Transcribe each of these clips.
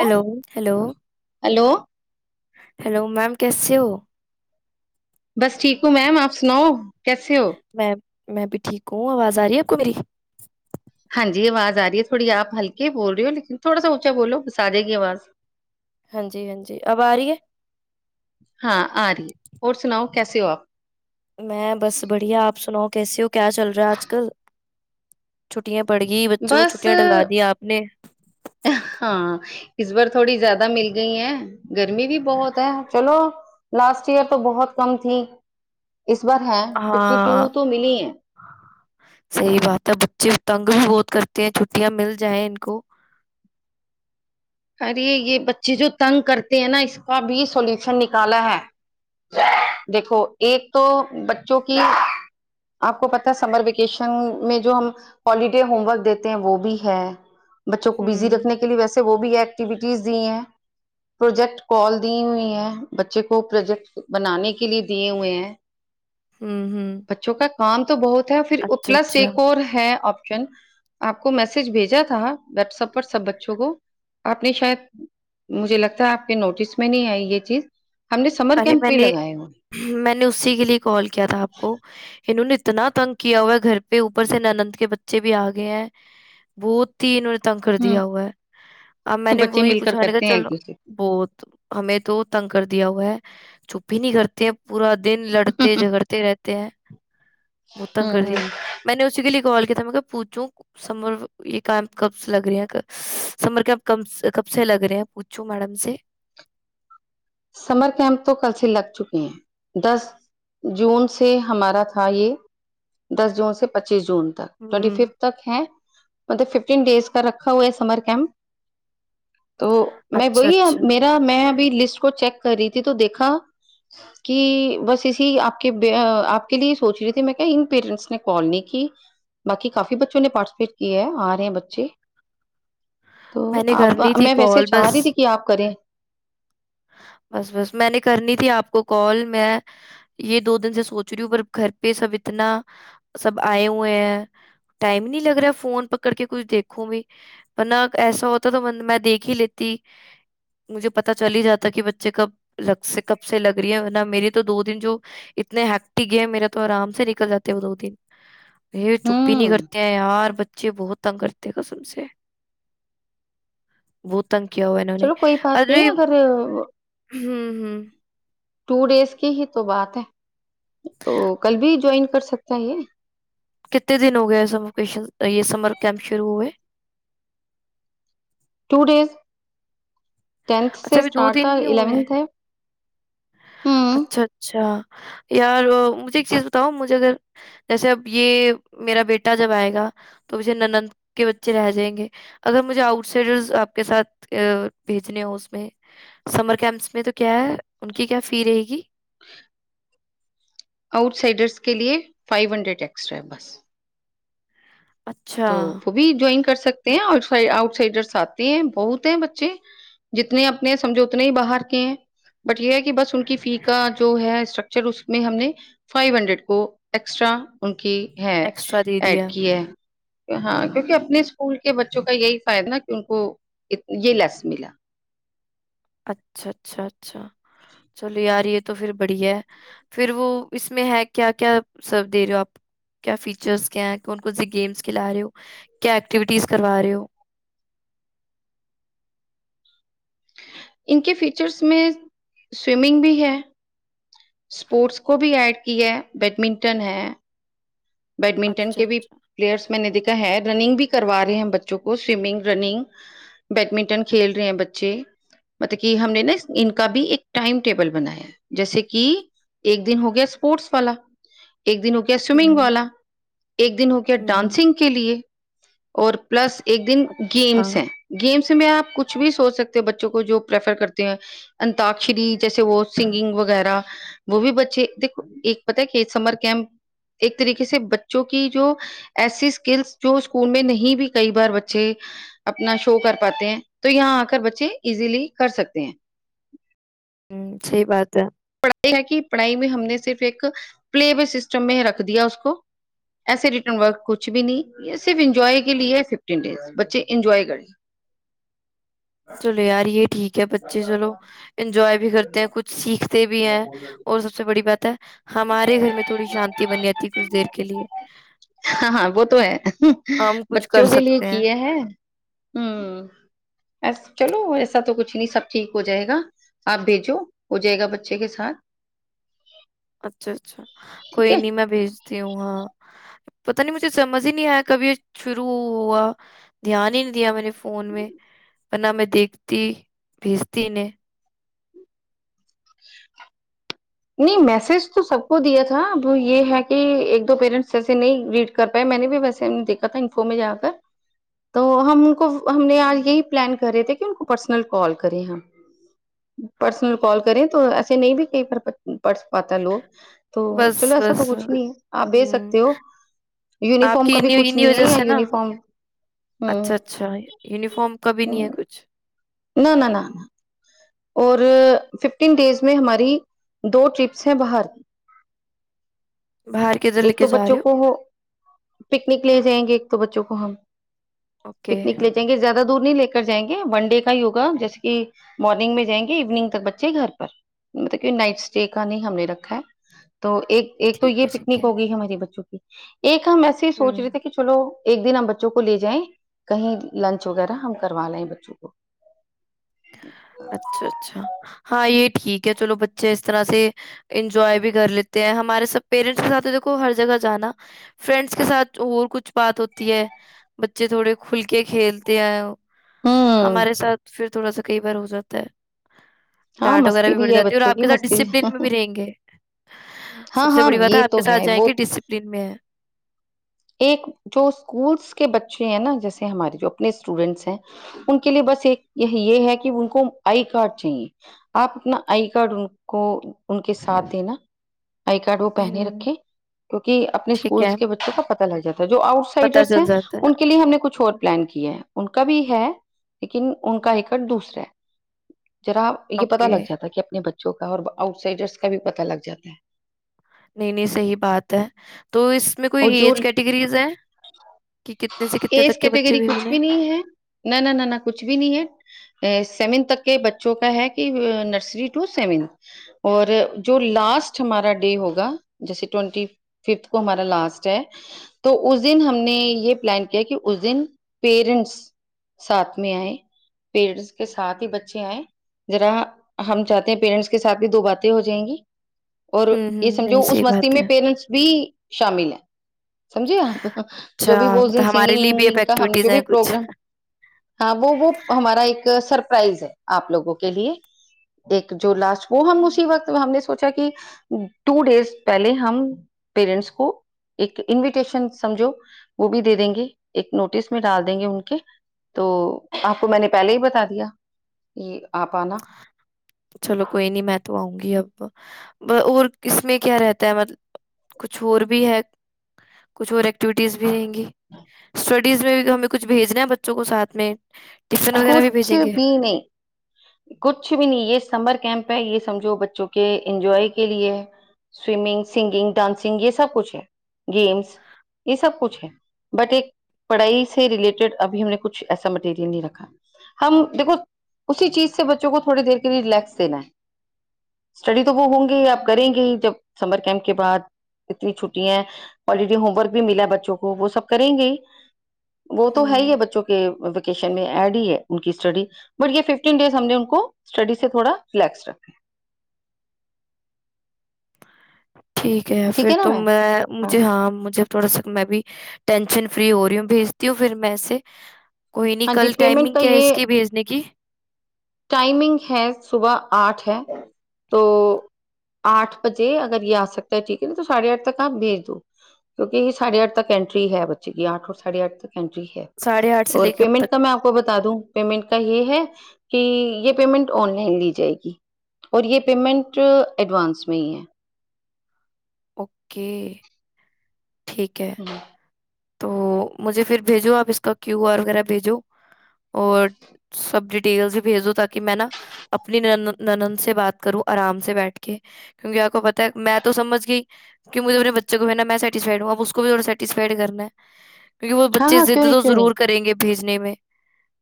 Hello hello hello ma'am ਕੈਸੇ ਓ ਬਸ ਠੀਕ ਹੂੰ ਮੈਮ ਆਪ ਸੁਣਾਓ ਕੈਸੇ ਓ ਮੈਂ ਵੀ ਠੀਕ ਊ ਆਵਾਜ਼ ਆ ਰੀ ਐ ਆਪਕੋ ਮੇਰੀ ਹਾਂਜੀ ਆਵਾਜ਼ ਆ ਰੀ ਐ ਥੋੜ੍ਹੀ ਆਪ ਹਲਕੇ ਬੋਲ ਰੇ ਓ ਲੇਕ ਥੋੜਾ ਸਾ ਉਚਾ ਬੋਲੋ ਬਸ ਆ ਜਾਏਗੀ ਆਵਾਜ਼ ਹਾਂਜੀ ਹਾਂਜੀ ਅਬ ਆ ਰੀ ਐ ਕੈਸੇਓ ਮੈਂ ਬਸ ਬੜੀਆ ਆਪ ਸੁਣਾੋੳ ਕੈਸੇ ਹੋ ਕਿਆ ਚੱਲ ਰਿਹਾ ਆਜ ਕਲ ਛੁੱਟੀਆਂ ਪੜ ਗਈ ਬੱਚੇ ਕੋ ਛੁੱਟੀਆਂ ਡਲਵਾ ਦੀ ਆਪ ਨੇ ਇਸ ਵਾਰ ਥੋੜੀ ਜ਼ਿਆਦਾ ਮਿਲ ਗਈ ਹੈ ਗਰਮੀ ਵੀ ਬਹੁਤ ਹੈ ਚਲੋ ਲਾਸਟ ਈਅਰ ਤੋਂ ਬਹੁਤ ਕਮ ਥੀ ਇਸ ਬਾਰ ਹੈ ਫਿਫਟੀ ਟੂ ਤੋਂ ਮਲੀ ਹੈ ਸਹੀ ਬਾਤ ਹੈ ਬੱਚੇ ਤੰਗ ਵੀ ਬਹੁਤ ਕਰਤੇ ਹੈ ਛੁੱਟੀਆਂ ਮਿਲ ਜਾਏ ਇਨਕ ਅ ਯ ਬੱਚੇ ਜੋ ਤੰਗ ਕਰਤੇ ਹੈ ਨਾ ਇਸ ਵੀ ਸੋਲਊਸ਼ਨ ਨਿਕਾਲਾ ਹੈ ਦੇਖੋ ਇੱਕ ਤਾਂ ਬੱਚੱਚੋਂ ਕੀ ਆਪਕ ਪਤਾ ਸਮਰ ਵੇਕੇਸ਼ਨ ਮੇ ਜੋ ਹਮ ਹਲੀਡੇ ਹੋਮਵਰਕ ਦੇਤੇ ਹੈ ਉਹ ਵੀ ਹੈ ਬੱਚੇ ਬੀ ਰੱਖ ਕੇ ਲਈ ਵੈੇ [unintelligible] ਐਟੀਿਵਿਟੀਜ਼ ਦੀ ਹੈ ਪ੍ਰੋਜੈਕਟ ਕਲ ਦੀ ਹੋਈ ਹੈ ਬੱਚੇ ਕੋ ਪ੍ਰੋਜੈਕਟ ਬਣਾੇ ਕੇ ਲ ਦਿਏ ਹੋਏ ਹੈ ਹਮ ਹਮ ਹਾਨ ਤੂੰ ਬਹੁਤ ਹੈ ਫਿਰ ਪਲੱਸ ਇੱਕ ਔਰ ਹੈ ਆਪਕੌ ਮੈਸੇਜ ਭੇਜਾ ਥਾ ਵਟਸਐਪ ਪਰ ਸਭ ਬੱਚੋ ਕੋ ਆਪ ਨੇ ਸ਼ਾਇਦ ਮੁਝੇ ਲਗਤਾ ਆਪ ਕੇ ਨੋਟਿਸ ਮੈਂ ਨਹੀਂ ਆਈ ਇਹ ਚੀਜ਼ ਅਰੇ ਮੈਂ ਮੈਂ ਨੇ ਉਸੀ ਕੇ ਲਿੇਏ ਕਾਲ ਕਿਆ ਥਾ ਆਪਕੋ ਇਹਨੌ ਨੇ ਇਤਨਾ ਤੰਗ ਕੀਤਾ ਹੋਇਆ ਘਰ ਪੇ ਉੱਪਰ ਸ ਨਨੰਦ ਕੇ ਬੱਚੇ ਵੀ ਆ ਗਏ ਹੈ ਬਹੁਤ ਹੀ ਇਹ ਤੰਗ ਕਰਦੀ ਹੁਆ ਹੈ ਅਬ ਮੈਂ ਬਹੀ ਪੁੱਛਾ ਨਹੀਂ ਕਿਹਾ ਚਲੋ ਬਹੁਤ ਹਮੇ ਤ ਤੰਗ ਕਰਦੀ ਹੁਆ ਹੈ ਚੁੱਪ ਹੀ ਨਹੀਂ ਕਰਦੇ ਪੂਰਾ ਦਿਨ ਦਿਨ ਲੜਤੇ ਝਗੜਤੇ ਰਹਿ ਅਤੇ ਬਹੁ ਤੰਗ ਕਰਦੀ ਮੈਂਨੇ ਉਸੇ ਕੇ ਲ ਕਾਲ ਮੈਂ ਕਿਹਾ ਪੁੱਛ ਸਮਰ ਕੈਪ ਕਬ ਲਗ ਰਹੇ ਹੈ ਸਮਰ ਕੈਪ ਕਬ ਲਗ ਰਹੇ ਹੈ ਪੁੱਛੂ ਮੈਡਮ ਸਮਰ ਕੈਂਪ ਤੋਂ ਕੱਲ ਸ ਲੱਗ ਚੁੱਕੇ ਹੈ ਦਸ ਜੂਨ ਸ ਹਮਾਰਾ ਥ ਇਹ ਦਸ ਜੂਨ ਪੱਚੀ ਪੀ ਜੂਨ ਤੱਕ ਟਵੈਂਟੀ ਫਿਫਥ ਤੱਕ ਹੈ ਮਤਲਬ ਫਿਫਟੀਨ ਡੇਜ਼ ਕਾ ਰੱਖਾ ਹੋਇਆ ਹੈ ਸਮਰ ਕੈਂਪ ਮੈਂ ਵਹੀ ਮੇਰਾ ਮੈਂ ਲਿਸਟ ਚੈੱਕ ਕਰ ਰਹੀੀ ਦੇਖਾ ਕਿ ਬਸ ਇਸੀ ਆਪ ਆਪਕੇ ਲ ਸੋਚ ਰਹੀੀ ਮੈਂ ਕਿਹਾਿਆ ਇਨ ਪੇਰੈਂਟਸ ਨੇ ਕਾਲ ਨਹੀਂ ਕੀ ਬਾਕੀ ਕਫ਼ੀ ਬੱਚੋ ਨੇ ਪਾਰਟੀਸਪੇਟ ਕੀ ਹੈ ਆ ਰਹੇ ਹੈ ਬੱਚੇ ਆਪ ਮੈਂ ਵੈਸੇ ਚਾਹ ਰਹੀੀ ਕਿ ਆਪ ਕਰੇ ਬਸ ਬਸ ਮੈਂਨ ਕਰਨੀ ਤੀ ਆਪ ਕੋ ਕਾਲ ਮੈਂ ਯ ਦੋ ਦਿਨ ਸ ਸੋਚ ਰਹੀ ਹ ਪਰ ਘਰ ਪੇ ਸਭ ਇਤਨਾ ਸਭ ਆਏ ਹੋਏ ਹੈ ਟਾਈਮ ਨੀ ਲਗ ਰਿਹਾ ਫੋਨ ਪਕੜ ਕੇ ਕੁਛ ਦੇਖੋ ਵੀ ਪਰ ਨਾ ਐਸਾ ਹੋਤਾ ਤਾਂ ਮੈਂ ਦੇਖ ਹੀ ਲਤੀ ਮੁਝ ਪਤਾ ਚੱਲ ਹੀ ਜਾ ਕਿ ਬੱਚੇ ਕਬ ਲ ਕਬ ਲਗ ਰਹੀ ਹੈਰ ਨਾ ਮੇਰੇ ਤਾਂ ਦੋ ਦਿਨ ਜੋ ਇਤਨ ਹੈਕਟ ਗ ਮੇਰਾ ਤੋਂ ਆਰਾਮ ਸ ਨਿਕਲ ਜਾਤੇ ਉਹ ਦੋ ਦਿਨ ਇਹ ਟੁੱਪੀ ਨੀ ਕਰ ਹੈ ਯਾਰ ਬ ੇ ਬਹੁਤ ਤੰਗ ਕਰਤੇਗਾ ਤੁਮ ਬਹੁਤ ਚਲੋ ਕੋਈ ਬਾਤ ਨ ਅਗਰ ਹਮ ਹਮ ਟੂ ਡੇਜ਼ ਕੀ ਹੀ ਬਾਤ ਹੈ ਕੱਲ ਵੀ ਜੁਇਨ ਕਰ ਸਕਤਾ ਹੈ। ਕਿੱਤੇ ਦਿਨ ਹੋ ਗਿਆ ਸਮ ਸਮਰ ਕੈਂਪ ਸ਼ੁਰੂ ਹੋਏ two days. Tenth start eleventh ਹੈ ਹਮ ਯਾਰ ਮੁਝੇ ਇੱਕ ਚੀਜ਼ ਬਤਾਓ ਮੁਝੇ ਅਗਰ ਜੈਸੇ ਮੇਰਾ ਬੇਟਾ ਜਬ ਆਏਗਾ ਤੋ ਮੁਝੇ ਨਨਦ ਕੇ ਬੱਚੇ ਰਹਿ ਜਾਗੇ ਅਗਰ ਮੁਝੇ ਆਊਟਸਾਈਡਰ ਆਪਕੇ ਸਾਥ ਭੇਜਣੇ ਹੋ ਉਸਮੇ ਸਮਰ ਕੈਪਸ ਮੈਂ ਕਿਆ ਹੈਕ ਕਿਆ ਫੀ ਰਹੇਗੀ। ਆਊਟਸਾਈਡਰਸ ਕੇ ਫਾਈਵ ਹੰਡਰੇੇਡ ਐਕਸਟਰਾ ਹੈ ਬਸ ਉਹ ਵੀ ਜੁਆਇਨ ਕਰ ਸਕ ਆਊਟਸਾਈਡਰਸ ਆਤੇ ਹੈ ਬਹੁਤ ਹੈ ਬੱਚੇ ਜਿਤਨੇ ਆਪਣੇ ਸਮਝੋ ਉਤਨੇ ਹੀ ਬਾਹਰ ਕੇ ਹੈ ਬਟ ਯ ਹੈ ਬਸ ਉਹ ਕੀ ਫੀ ਕਾ ਜੋ ਹੈ ਸਟਕਚਰ ਫ ਉਸਮੇ ਹਮ ਨੇ ਫਾਈਵ ਹੰਡਰੇੇਡ ਕੋ ਐਕਸਟਰਾ। ਕੀ ਹੈ ਐਡਕੀ ਹੈ। ਹਾਂ ਕਿਉਂਕਿ ਆਪਣੇ ਸਕੂਲ ਕੇ ਬੱਚੋਂ ਕ ਇਹੀ ਫ਼ਾਇਦਾ ਕਿਕੋ ਯ ਲੈਸ ਮਿਲਾ ਅੱਛਾ ਅੱਛਾ ਚਲ ਯਾਰ ਇਹ ਤਾਂ ਫਿਰ ਬੜੀਆ ਫਿਰ ਇਸਮੇਂ ਹੈ ਕਿਆ ਕਿਆ ਸਭ ਦੇ ਜੋ ਕਿਆ ਫੀਚਰ ਹੈ ਖਿਲਾ ਰਹੇ ਹੋ ਕਿ ਐਕਟੀਵਿਟੀਜ ਕਰਵਾ ਰਹੇ ਹੋ। ਇਨਕੇ ਫੀਚਰਸ ਮੈਂ ਸਵਿਮਿੰਗ ਵੀ ਹੈ। ਸਪੋਰਟਸ ਕੋ ਵੀ ਐਡ ਕੀ ਹੈ ਬੈਡਮਿੰਟਨ ਹੈ। ਬੈਡਮਿੰਟਨ ਕੇ ਵੀ ਪਲੇਅਰਸ ਮੈਂਨੇ ਦੇਖਾ ਹੈ ਰਨਿੰਗ ਵੀ ਕਰਵਾ ਰਹੇ ਹੈ ਬੱਚੋ ਕੋ ਸਵਿਮਿੰਗ ਰਨਿੰਗ ਬੈਡਮਿੰਟਨ ਖੇਲ ਰਹੇ ਹੈ ਬੱਚੇ ਮਤਲਬ ਕੀ ਹਮ ਨੇ ਨਾ ਇਨ ਵੀ ਇੱਕ ਟਾਈਮ ਟੇਬਲ ਬਣਾਇਆ ਜੈਸੇ ਕਿ ਇੱਕ ਦਿਨ ਹੋ ਗਿਆ ਸਪੋਰਟਸ ਵਾਲਾ ਇੱਕ ਦਿਨ ਹੋ ਗਿਆ ਸਵਿਮਿੰਗ ਵਾਲਾ ਇੱਕ ਦਿਨ ਹੋ ਗਿਆ ਡਾਂਸਿੰਗ ਚੀ ਲੀ ਹੈ ਔਰ ਪਲੱਸ ਇੱਕ ਦਿਨ ਗੇਮਸ ਹੈ। ਗੇਮਸ ਆਪ ਕੁਛ ਵੀ ਸੋਚ ਸਕਦੇ ਹੋ ਬੱਚੋਂ ਕੋ ਜੋ ਪ੍ਰੈਫਰ ਕਰਤੇ ਐ। ਅੰਤਾਕਸ਼ਰੀ ਜੈਸੇ ਔਰ ਸਿੰਗਿੰਗ ਵਗੈਰਾ ਉਹ ਵੀ ਬੱਚੇ ਦੇਖੋ ਇੱਕ ਪਤਾ ਕਿ ਸਮਰ ਕੈਂਪ ਇੱਕ ਤਰੀਕੇ ਕਿਸੇ ਬੱਚੋਂ ਕੀ ਜੋ ਐਸੀ ਸਕਕਿਲਸ ਜੋ ਸਕੂਲ ਮੈਂ ਨਹੀਂ ਵੀ ਕਈ ਬਾਰ ਬੱਚੇ ਆਪਣਾ ਸ਼ੋਅ ਕਰ ਪਾਤੇ ਹੈ ਤਾਂ ਯਾ ਆ ਕਰ ਬੱਚੇ ਇਜ਼ਲੀ ਕਰ ਸਕਤੇ ਹੈ। ਹਮ, ਸਹੀ ਬਾਤ ਹੈ। ਹੈ ਕਿ ਪੜ੍ਹਾਈ ਹਮਨੇ ਸਿਰਫ ਇੱਕ ਪਲੇ ਵੇ ਸਿਸਟਮੇ ਰੱਖ ਉਸਕੋ ਐਸੇ ਰਿਟਰਨ ਵਰਕ ਕੁਛ ਵੀ ਨਹੀਂ ਸਿਰਫ ਇੰਜੋਏ ਕੇ ਲਿਏ ਫਿਫਟੀਨ ਡੇਜ਼ ਬੱਚੇ ਇੰਜੋਏ ਕਰੇ। ਚਲੋ ਯਾਰ ਯੇ ਠੀਕ ਕੇ ਬੱਚੇ ਚਲੋ ਇੰਜੋਏ ਵੀ ਕਰਦੇ ਕੁੱਛ ਸਿੱਖ। ਵੀ ਹੈ ਔਰ ਸਭ ਸੇ ਬੜੀ ਬਾਤ ਏ। ਹਾਂ- ਹਾਂ ਵੋ ਤੋ ਹੈ ਬੱਚੋ ਕੇ ਲਿਏ ਕੀ ਹੈ ਬਸ ਚਲੋ ਐਸਾ ਤਾਂ ਕੁਛ ਨਹੀਂ ਸਭ ਠੀਕ ਹੋ ਜਾਏਗਾ ਆਪ ਭੇਜੋ ਹੋ ਜਾਏਗਾ ਬੱਚੇ ਕੇ ਸਾਥ। ਅੱਛਾ- ਅੱਛਾ। ਕੋਈ ਨੀ ਮੈਂ ਭੇਜਤੀ ਹੂੰ ਹਾਂ। ਪਤਾ ਨੀ ਮੁਝੇ ਸਮਝ ਹੀ ਨਹੀਂ ਆਇਆ ਕਭੀ ਸ਼ੁਰੂ ਹੁਆ ਧਿਆਨ ਹੀ ਨਹੀਂ ਦੀਆਂ ਮੈਂਨੇ ਫੋਨ ਮੇ ਆਪਨਾ ਮੈਂ ਦੇਖਤੀ ਭੇਜਤੀ ਨੇ ਨਹੀਂ ਮੈਸੇਜ ਤਾਂ ਸਭ ਕੋ ਦਿਆਂ ਥਾ ਅਭ ਇਹ ਹੈ ਕਿ ਇੱਕ ਦੋ ਪੇਰੈਂਟਸ ਐਸੇ ਨਹੀਂ ਲੇਟ ਕਰ ਪਾਏ। ਮੈਂ ਵੀ ਵੈਸੇ ਨੀ ਦੇਖਾ ਇਨਫੋਰ ਮੈਂ ਜਾ ਕਰ, ਤੋ ਹਮ ਕੋ ਹਮਨੇ ਅੱਜ ਯਹੀ ਪਲਾਨ ਕਰ ਰਹੇੇ ਕਿ ਪਰਸਨਲ ਕੋਲ ਕਰੇ ਹਮ ਪਰਸਨਲ ਕੋਲ ਕਰੇ। ਤੋ ਅਐਸੇ ਨਹੀਂ ਵੀ ਕਈ ਪਰ ਪੜ ਪਾਤਾ ਲੋਕ ਤੋਂ ਚਲੋ ਐਸਾ ਤਾਂ ਕੁਛ ਨਹੀਂ ਹੈ ਆਪ ਭੇਜ ਸਕਦੇ ਹੋ, ਯੂਨੀਫਾਰਮ ਕਭੀ ਵੀ ਕੁਛ ਨਹੀਂ ਹੈ ਜਾਂ ਯੂਨੀਫਾਰਮ ਹਮ ਨਹੀਂ ਨਹੀਂ। ਨਾ-ਨਾ-ਨਾ-ਨਾ। ਔਰ ਫਿਫਟੀਨ ਡੇਜ਼ ਮੈਂ ਹਮਾਰੀ ਦੋ ਟ੍ਰਿਪਸ ਹੈ ਬਾਹਰ ਇੱਕ ਤਾਂ ਬੱਚੋ ਕੋ ਪਿਕਨਿਕ ਲੈ ਜਾਏਗੇੇ। ਤੋਂ ਬੱਚੋਂ ਕੋ ਹਮ ਪਿਕਨਿਕ ਲੈ ਜਾਏਗੇ ਜ਼ਿਆਦਾ। ਦੂਰ ਨਹੀਂ ਲੈ ਕਰ ਜਾਏਗੇ ਵਨਡੇ ਕਾ ਹੋਗਾ ਜੈਸੇ ਕਿ ਮੋਰਨਿੰਗ ਨਿਗ ਮੇਂ ਜਾਏਂਗੇ ਇਵਨਿੰਗ ਤੱਕ ਬੱਚੇ ਘਰ ਪਰ ਮਤਲਬ ਕਿ ਨਾਈਟ ਸਟੇ ਕ ਨਹੀਂ ਹਮ ਨੇ ਰੱਖਾ ਹੈ ਤੋ ਇੱਕ ਤਾਂ ਯੇ ਪਿਕਨਿਕ ਹੋ ਗਈ ਹੈ ਹਮਾਰੀ ਬੱਚੋਂ ਕੀ ਇੱਕ ਹਮ ਐਸੇ ਹੀ ਸੋਚ ਰਹੇ ਤੇ ਕਿ ਚਲੋ ਇੱਕ ਦਿਨ ਹਮ ਬੱਚੋ ਕੋ ਲੈ ਜਾਏ ਕਹੀ ਲੰਚ ਵਗੈਰਾ ਹਮ ਕਰਵਾ ਲਏ ਬੱਚੋ ਕੋ ਅੱਛਾ-ਅੱਛਾ। ਹਾਂ ਯੇ ਠੀਕ ਹੈ ਚਲੋ ਬੱਚੇ ਇਸ ਤਰ੍ਹਾਂ ਇੰਜੋਏ ਵੀ ਕਰ ਲਤੇ ਹੈ ਹਮਾਰੇ ਸ ਪੇਰੈਂਟਸ ਕੇ ਸਾਥ ਦੇਖੋ ਹਰ ਜਗਾ ਜਾਨਾ ਫਰੈਂਡਸ ਕੇ ਸਾਥ ਹੋਰ ਕੁਛ ਬਾਤ ਹੋਤੀ ਹੈ। ਬੱਚੇ ਥੋੜੇ ਖੁਲ ਕੇ ਖੇਲਤੇ ਹੈ। ਹਮਾਰੇ ਸਾਥ ਫਿਰ ਥੋੜਾ ਸਾ ਕਈ ਬਾਰ ਜਾਤਾ ਐ ਡਾਟ ਵਗੈਰਾ ਵੀ ਬੜ ਜਾਤੀ ਹੈ ਔਰ ਆਪਕੇ ਡਿਸਿਪਲੀਨ ਮੈਂ ਵੀ ਰਹੇਂਗੇ ਸਭਸੇ ਬੜੀ ਬਾਤ ਹੈ ਆਪਕੇ ਸਾ ਜਾਏਗੇ ਡਿਸਿਪਲਨ ਮੈਂ ਹੈ ਇੱਕ ਜੋ ਸਕੂਲਸ ਕੇ ਬੱਚੇ ਹੈ ਨਾ ਜੈਸੇ ਹਮਾਰੇ ਜੋ ਆਪਣੇ ਸਟੂਡੈਂਟਸ ਹੈ ਉਨਕੇ ਲੀਏ ਬਸ ਇੱਕ ਯੇ ਹੈ ਕਿ ਉਨਕੋ ਆਈ ਕਾਰਡ ਚਾਹੀਏ ਆਪ ਆਪਣਾ ਆਈ ਕਾਰਡ ਉਨਕੋ ਉਨਕੇ ਸਾਥ ਦੇਣਾ ਆਈ ਕਾਰਡ ਵੋ ਪਹਿਨੇ ਰੱਖੇ ਕਿਉਂਕਿ ਆਪਣੇ ਸਕੂਲਸ ਕੇ ਬੱਚੋ ਕਾ ਪਤਾ ਲੱਗ ਜਾ [unintelligible] ਜੋ ਆਊਟਸਾਈਡਰਸ ਹੈ ਉਨਕੇ ਲੀਏ ਹਮਣੇ ਕੁਛ ਹੋਰ ਪਲੈਨ ਕਿਆ ਹੈ ਉਨਕਾ ਵੀ ਹੈ ਲੇਕਿਨ ਉਨਕਾ ਆਈ ਕਾਟ ਦੂਸਰਾ ਐ ਜਰਾ ਯੇਹ ਪਤਾ ਲਗ ਜਾਤਾ ਕਿ ਆਪਣੇ ਬੱ ਚੋ ਕਾ ਓਰ ਆਊਟਸਾਈਡਰਸ ਕਾ ਵੀ ਪਤਾ ਲੱਗ ਜਾਤਾ ਹੈ ਨਹੀਂ ਨਹੀਂ ਸਹੀ ਬਾਤ ਹੈ ਉਹਰ ਜੋ ਇਜ਼ ਕੈਟੇਗਰੀ ਕੁਛ ਵੀ ਨਹੀਂ ਹੈ ਨਾ ਨਾ ਨਾ ਨਾ ਕੁਛ ਵੀ ਨਹੀਂ ਹੈ ਸੈਵਨਥ ਤੱਕ ਕੇ ਬੱਚੋਂ ਕਾ ਹੈ ਕਿ ਨਰਸਰੀ ਟੂ ਸੇਵਨ ਔ ਜੋ ਲਾਸਟ ਹਮਾਰਾ ਡੇ ਹੋਗਾ ਜੈਸੇ ਟਵਂਟੀ ਫਿਫਥ ਕੋ ਹਮਾਰਾ ਲਾ ਟ ਹੈ ਉਸ ਦਿਨ ਹਮ ਨੇ ਯ ਪਲਨ ਕਿਹਾ ਕਿ ਉਸ ਦਿਨ ਪੇਰੈਂਟਸ ਸਾਥ ਮੈਂ ਆਏ ਪੇਰੈਂਟਸ ਕੇ ਸਾਥ ਹੀ ਬੱਚੇ ਆਏ ਜਰਾ ਹਮ ਚਾਹਤੇ ਪੇਰੈਂਟਸ ਕੇ ਸਾਥ ਵੀ ਦੋ ਬਾਤ ਹੋ ਜਾਏਗੀ ਓਰ ਇਹ ਸਮਝੋ ਉਸ ਮਸਤੀ ਮੈਂ ਪੇਰੈਂਟਸ ਵੀ ਸ਼ਾਮਿਲ ਹੈ ਸਮਝੇ ਆਪ ਜੋ ਵੀ ਵੋ ਉਸ ਦਿਨ ਸਿੰਗਿੰਗ ਵਿੰਗਿੰਗ ਕਾ ਹਮਣੇ ਜੋ ਵੀ ਪ੍ਰੋਗਰਾਮ ਹਾਂ ਵੋ ਵੋ ਹਮਾਰਾ ਇੱਕ [unintelligible] ਸਰਪ੍ਰਾਈਜ਼ ਹੈ ਆਪੋ ਕੇ ਲ ਇੱਕ ਜੋ ਲਾਸਟ ਵ ਹ ਉਸੀ ਵਕਤ ਹਮ ਨੇ ਸੋਚਿਆ ਕਿ ਟੂ ਡੇਜ਼ ਪਹਿਲੇ ਹਮ ਪੇਰੈਂਟਸ ਕੋ ਇੱਕ ਇਨਵੀਟੇਸ਼ਨ ਸਮਝੋ ਵੋ ਭੀ ਦੇ ਦੇਂਗੇ ਇੱਕ ਨੋਟਿਸ ਮੇ ਡਾਲ ਦੇਂਗੇ ਉਕੇ ਤੋ ਆਪਕ ਮੈਂਨੇ ਪਹਿਲੇ ਹੀ ਬਤਾ ਦੀਆ ਯੇ ਆਪ ਆਣਾ ਚਲੋ ਕੋਈ ਨਹੀਂ ਮੈਂ ਤ ਆਊਂਗੀ ਅਬ ਓਰ ਇਸਮੇ ਕਿਆ ਰਹਿਤਾ ਹੈ ਮ ਕੁਛ ਹੋਰ ਵੀ ਹੈ ਕੁਛ ਹੋਰ ਐਕ ਟਿਊਟੀਜ਼ ਵੀ ਰਹੇਗੀ ਸ ਸ ਹਮੇਂ ਕੁਛ ਭੇਜਣਾ ਹੈ ਬੱਚੋ ਕੋ ਸਾਥ ਮੇਂ ਕੁਚ ਬੀ ਨਹੀਂ ਕੁਛ ਵੀ ਨਹੀਂ ਯੇ ਸਮਰ ਕੈਂਪ ਹੈ ਸਮਝੋ ਬੱਚੋ ਕੇ ਇੰਜੋਏ ਕੇ ਲ ਹੈ ਸਵਿਮਿੰਗ ਸਿੰਗਿੰਗ ਡਾਂਸਿੰਗ ਯੇ ਸਭ ਕੁਛ ਹੈ ਗੇਮਸ ਯੇ ਸਭ ਕੁਛ ਹੈ ਬਟ ਇੱਕ ਪੜ੍ਹਾਈ ਸੇ ਰਲੇਟਿਡ ਅਭ ਹ ਨੇ ਕੁਛ ਐਸਾ ਮਟੀਰੀਅਲ ਨਹੀਂ ਰੱਖਾ ਹਮ ਦੇਖੋ ਉਸੀ ਚੀਜ਼ ਸੇ ਬੱਚੇ ਕੋ ਥੋੜੀ ਦੇਰ ਕੇ ਰਿਲੈਕਸ ਦੇਣਾ ਹੈ ਸਟੱਡੀ ਤੋਂ ਉਹ ਹੋਂਗੇਗੀ ਹੀ ਆਪ ਕਰੇਗੇੇ ਹੀ ਜ ਸਮਰ ਕੈੈਂਪ ਕੇ ਬਾਅਦ ਇਤਨੀ ਛੁੱਟੀਆਂ ਹੈ ਹੋਲੀ ਡੇ ਹੋਮਵਰਕ ਵੀ ਮਿਲਾ ਬੱਚੋ ਕੋ ਉਹ ਸਭ ਕਰੇਗੇ ਵੋ ਤਾਂ ਹੈ ਹੀ ਹੈ ਬੱਚੋਂ ਕੇ ਵੈਕੇਸ਼ਨ ਮੈਂ ਐਡ ਹੀ ਹੈ ਉਨਕੀ ਸਟੱਡੀ ਬਟ ਯ ਫਿਫਟੀਨ ਡੇਜ਼ ਹਮ ਨੇ ਉਨਕੋ ਸਟੱਡੀ ਸ ਥੋੜਾ ਰਿਲੈਕਸ ਰੱਖ [unintelligible] ਠੀਕ ਹੈ ਫਿਰ ਤੋਂ ਮੈਂ ਮੁਝੇ ਹਾਂ ਮੁਝੇ ਥੋੜਾ ਸ ਮੈਂ ਵੀ ਟੈਂਨਸ਼ਨ ਫਰੀ ਹੋ ਰਹੀ ਹੂੰ ਭੇਜਤੀ ਹੂੰ ਫਿਰ ਮੈਂ ਇਸੇ ਕੋਈ ਨਹੀਂ ਕੱਲ ਟਾਈਮਿੰਗ ਕਿਆ ਹੈ ਇਸ ਕੀ ਭੇਜਣੇ ਕੀ ਟਾਈਮਿੰਗ ਹੈ ਸੁਬਾਹ ਆਠ ਹੈ ਤੋ ਆਠ ਵਜੇ ਅਗਰ ਯੇ ਆ ਸਕਤਾ ਹੈ ਠੀਕ ਹੈ ਨੀ ਤੋ ਸਾਢੇ ਆਠ ਤੱਕ ਆਪ ਭੇਜ ਦੋ ਕਿਉਂਕਿ ਸਾਢੇ ਆਠ ਤੱਕ ਐਂਟਰੀ ਹੈ ਬੱਚੇ ਕੀ ਆਠ ਸਾਢੇ ਆਠ ਤੱਕ ਐਂਟਰੀ ਹੈ ਓਰ ਪੇਮੈਂਟ ਕਾ ਮੈਂ ਆਪ ਕੋ ਬਤਾ ਦੂੰ ਪੇਮੈਂਟ ਕਾ ਯੇ ਹੈ ਕਿ ਜੇ ਪੇਮੈਂਟ ਔਨਲਾਈਨ ਲੀ ਜਾਏਗੀ ਔਰ ਜੇ ਪੇਮੈਂਟ ਐਡਵਾਂਸ ਵੀ ਹੀ ਹੈ। ਓਕੇ, ਠੀਕ ਹੈ, ਤੋ ਮੁਜੇ ਫੇਰ ਭੇਜੋ ਆਪ ਇਸ ਕਿੳ ਆਰ ਵਗੈਰਾ ਭੇਜੋ ਔਰ ਸਭ ਡਿਟੇਲਸ ਵੀ ਭੇਜ ਦੋ ਤਾਂਕੀ ਮੈਂ ਨਾ ਆਪਣੀ ਨਾਨਦ ਬਾਤ ਕਰੂੰ ਆਰਾਮ ਬੈਠ ਕੇ ਕਿਉਂਕਿ ਆਪ ਪਤਾ ਹੈ ਮੈਂ ਤਾਂ ਸਮਝ ਗਈ ਕਿਉਂ ਮੇ ਆਪਣੇ ਬੱਚੇ ਕੋ ਨਾ ਮੈਂ ਸੈਟਿਸਫਾਈਡ ਹੂੰ ਉਸ ਵੀ ਥੋੜਾ ਸੈਟਿਸਫਾਈਡ ਕਰਨਾ ਹੈ। [unintelligible] ਕਿਉਂਕਿ ਉਹ ਬੱਚੇ ਜ਼ਿੱਦ ਤੋਂ ਜ਼ਰੂਰ ਕਰੇਗੇ। ਭੇਜਨੇ ਮੈਂ,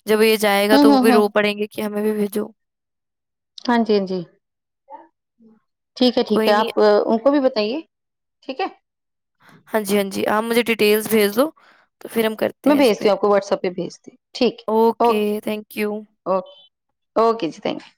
ਜਬ ਇਹ ਜਾਏਗਾ ਤਾਂ ਉਹ ਵੀ ਰੋ ਪੜੇਗੀ। ਕਿ ਹਮੇਂ ਵੀ ਬੇਜੋ, ਹਾਂਜੀ-ਹਾਂਜੀ, ਠੀਕ ਹੈ ਠੀਕ ਹੈ ਆਪ ਉਹ ਵੀ ਬ ਸਹੀ ਏ ਠੀਕ ਹੈ। ਹਾਂਜੀ-ਹਾਂਜੀ ਆਪ ਮੁਝੇ ਡਿਟੇਲਸ ਭੇਜ ਦੋ, ਮੈਂ ਭੇਜਦੀ ਹੂੰ, ਆਪ ਵਟਸਐਪ ਪੇ ਭੇਜਤੀ ਠੀਕ ਹੈ ਓਕੇ ਓਕੇ, ਓਕੇ ਜੀ ਥੈਂਕ ਯੂ,